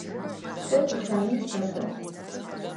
Сэ тучаным сэкӏо.